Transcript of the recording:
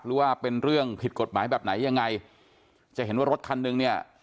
หรือว่าเป็นเรื่องผิดกฎหมายแบบไหนยังไงจะเห็นว่ารถคันนึงเนี่ย